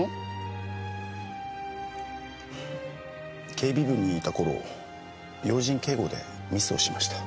警備部にいた頃要人警護でミスをしました。